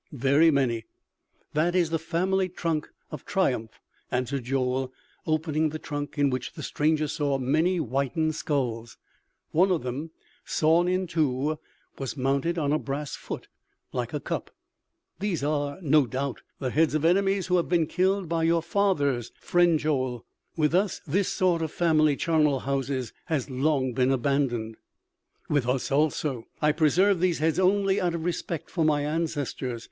"Very many. That is the family trunk of triumph," answered Joel opening the trunk, in which the stranger saw many whitened skulls. One of them, sawn in two, was mounted on a brass foot like a cup. "These are, no doubt, the heads of enemies who have been killed by your fathers, friend Joel? With us this sort of family charnel houses has long been abandoned." "With us also. I preserve these heads only out of respect for my ancestors.